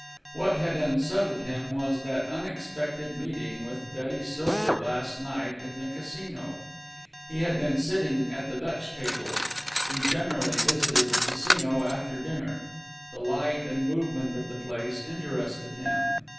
What had unsettled him was that unexpected meeting with Betty Silver last night at the Casino. He had been sitting at the Dutch table. He generally visited the Casino after dinner. The light and movement of the place interested him.